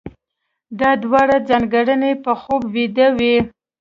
دا دواړه ځانګړنې په خوب ويدې وي.